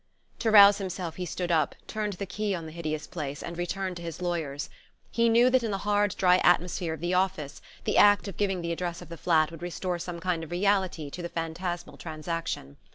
To rouse himself he stood up, turned the key on the hideous place, and returned to his lawyer's. He knew that in the hard dry atmosphere of the office the act of giving the address of the flat would restore some kind of reality to the phantasmal transaction.